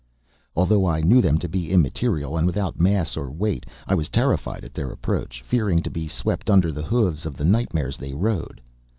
Although I knew them to be immaterial and without mass or weight, I was terrified at their approach, fearing to be swept under the hoofs of the nightmares they rode.